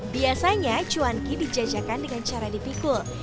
biasanya cuanki dijajakan dengan cara dipikul